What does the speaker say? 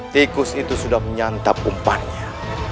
tikus itu sudah menyantap umpannya